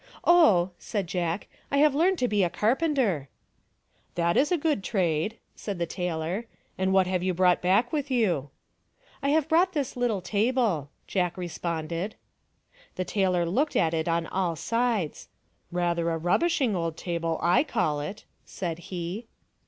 "Oh," said Jack, "I have learned to be a carpenter." " That is a good trade," said the tailor, " and what have you brought back with you?" " I have brought this little table," Jack responded. The tailor looked at it on all sides. " Rather a rubbishing old table, I call it," said he.